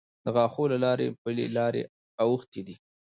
د غاښو له لارې پلې لارې اوښتې دي.